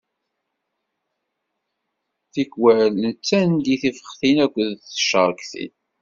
Tikwal nettandi tifextin akked ticeṛktin.